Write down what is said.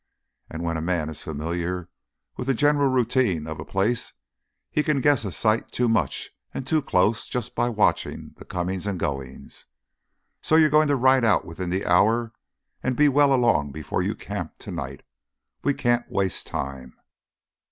And when a man is familiar with the general routine of a place, he can guess a sight too much and too close just by watching the comings and goings. So—you're going to ride out within the hour and be well along before you camp tonight. We can't waste time."